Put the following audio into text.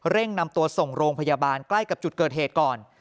นำตัวส่งโรงพยาบาลใกล้กับจุดเกิดเหตุก่อน